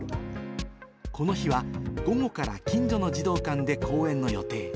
この日は、午後から近所の児童館で公演の予定。